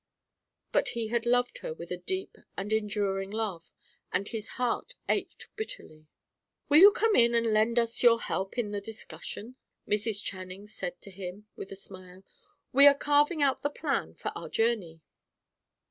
But he had loved her with a deep and enduring love, and his heart ached bitterly. "Will you come in and lend us your help in the discussion?" Mrs. Channing said to him, with a smile. "We are carving out the plan for our journey."